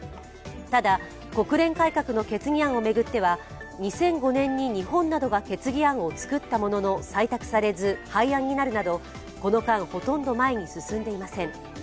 ただ、国連改革の決議案を巡っては２００５年に日本などが決議案をつくったものの採択されず、廃案になるなどこの間、ほとんど前に進んでいません。